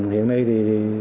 hiện nay thì